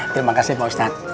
terima kasih pak ustadz